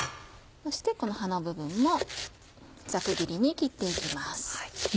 そしてこの葉の部分もざく切りに切って行きます。